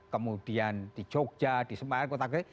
kemudian di jogja di semarang kota gede